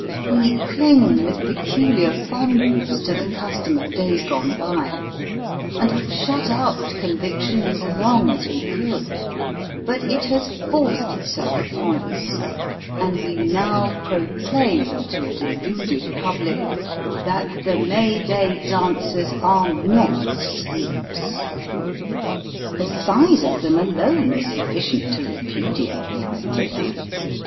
We cling with peculiar fondness to the custom of days gone by, and have shut out conviction as long as wo could, but it has forced itself upon us; and we now proclaim to a deluded public, that the May Day dancers are not sweeps. The size of them, alone, is sufficient to repudiate the idea.